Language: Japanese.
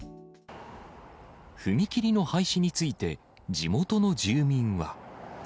踏切の廃止について、地元の住民は。